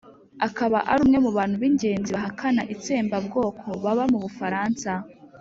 akaba ari umwe mu bantu b'ingenzi bahakana itsembabwoko baba mu bufaransa